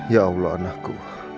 ya allah anakku